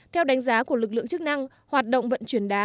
theo đánh giá của lực lượng chức năng hoạt động vận chuyển đá